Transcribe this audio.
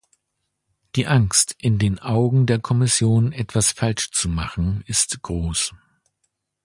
Die Angst, in den Augen der Kommission etwas falsch zu machen, ist groß.